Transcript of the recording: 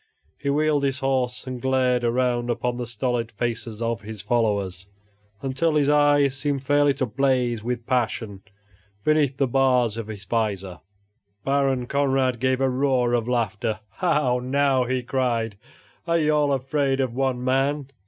He wheeled his horse and glared round upon the stolid faces of his followers, until his eyes seemed fairly to blaze with passion beneath the bars of his vizor. Baron Conrad gave a roar of laughter. "How now," he cried; "are ye all afraid of one man?